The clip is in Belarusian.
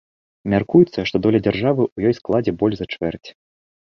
Мяркуецца, што доля дзяржавы ў ёй складзе больш за чвэрць.